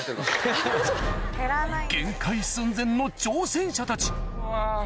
限界寸前の挑戦者たちうわ。